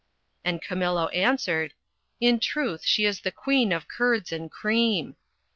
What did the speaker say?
And Camillo answered, In truth she is the Queen of curds and cream."